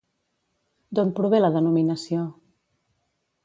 D'on prové la denominació?